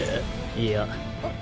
いや。